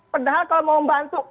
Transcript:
padahal kalau mau membantu